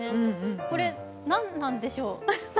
これ、何なんでしょう？